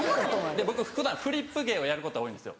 僕普段フリップ芸をやることが多いんですよ。